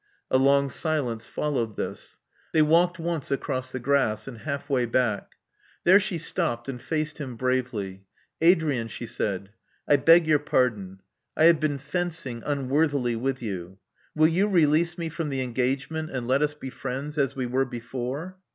A long silence followed this. They walked once across the grass, and half way back. There she stopped, and faced him bravely. Adrian, she said :* *I beg your pardon. I have been fencing unworthily with you. Will you release me from the engagement, and let us be friends as we were before?"